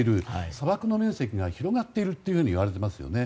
砂漠の面積が広がっているといわれていますよね。